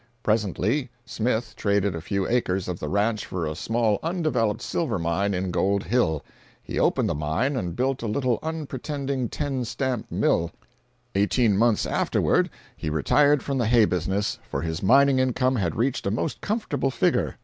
Presently Smith traded a few acres of the ranch for a small undeveloped silver mine in Gold Hill. He opened the mine and built a little unpretending ten stamp mill. Eighteen months afterward he retired from the hay business, for his mining income had reached a most comfortable figure.